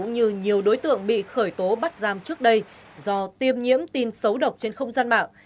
như nhiều đối tượng bị khởi tố bắt giam trước đây do tiêm nhiễm tin xấu độc trên không gian mạng